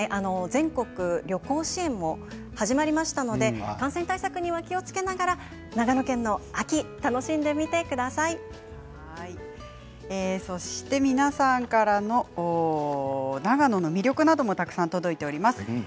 全国旅行支援も始まりましたので感染対策に気をつけながら長野県を皆さんからの長野の魅力などもたくさん届いています。